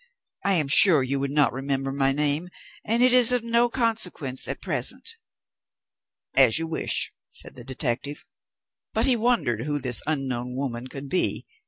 I am sure you would not remember my name, and it is of no consequence at present." "As you wish," said the detective. But he wondered who this unknown woman could be.